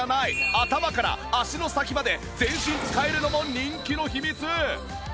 頭から足の先まで全身使えるのも人気の秘密！